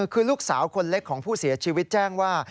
คือลูกสาวคนเล็กของผู้เสียชีวิตแจ้งว่า